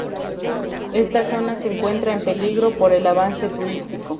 Esta zona se encuentra en peligro por el avance turístico.